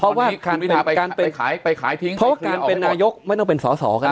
เพราะว่าการไปขายไปขายทิ้งเพราะการเป็นนายกไม่ต้องเป็นสอสอครับ